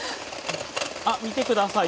あっ見てください。